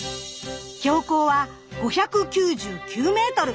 標高は５９９ｍ。